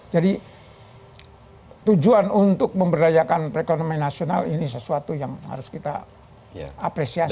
jadi tujuan untuk memberdayakan ekonomi nasional ini sesuatu yang harus kita apresiasi